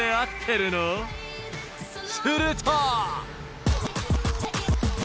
［すると］